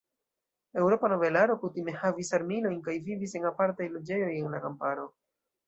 Eŭropa nobelaro kutime havis armilojn kaj vivis en apartaj loĝejoj en la kamparo.